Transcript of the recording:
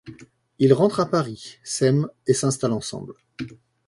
Ils rentrent à Paris, s'aiment et s'installent ensemble.